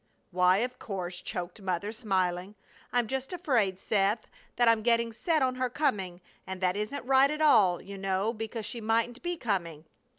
"Why, of course!" choked Mother, smiling. "I'm just afraid, Seth, that I'm getting set on her coming, and that isn't right at all, you know, because she mightn't be coming."